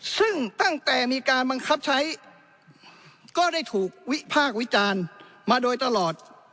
ซึ่งตั้งแต่มีการบังคับใช้ก็ได้ถูกวิพากษ์วิจารณ์มาโดยตลอด